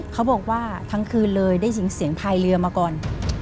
เขาบอกว่าทั้งคืนเลยได้ยินเสียงพายเรือมาก่อน